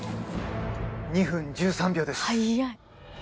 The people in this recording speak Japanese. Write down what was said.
２分１３秒です